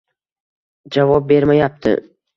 Javob bermayapti.